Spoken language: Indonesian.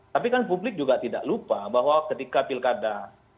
tapi kan publik juga tidak lupa bahwa ketika pilkada dua ribu tujuh belas